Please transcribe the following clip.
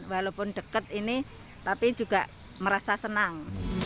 walaupun dekat ini tapi juga merasa senang